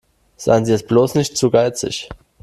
Seien Sie jetzt bloß nicht zu geizig.